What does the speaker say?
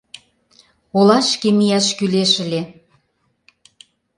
Олашке мияш кӱлеш ыле.